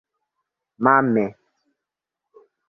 Mame!